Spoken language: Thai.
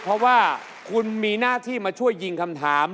เพราะว่าคุณมีหน้าที่มาช่วยยิงคำถาม